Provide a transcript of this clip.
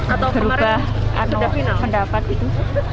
atau berubah pendapat itu